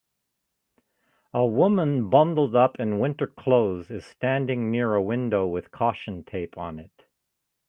A woman bundled up in winter clothes is standing near a window with caution tape on it